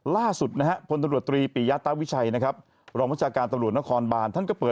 ล่าสุดนะฮะทล๓ปริยาตราวิทย์ชัยรองมัตรศจาการทลนครบาล